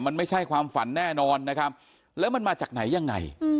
มันไม่ใช่ความฝันแน่นอนนะครับแล้วมันมาจากไหนยังไง